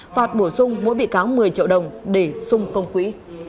phạt bổ sung mỗi bị cáo một mươi triệu đồng để xung công quỹ